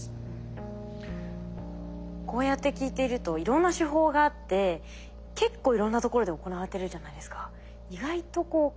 こうやって聞いているといろんな手法があって結構いろんなところで行われてるじゃないですか。